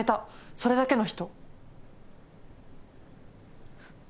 それだけの人。